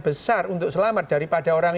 besar untuk selamat daripada orang